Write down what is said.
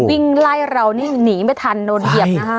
วิ่งไล่เรานี่หนีไม่ทันโดนเหยียบนะคะ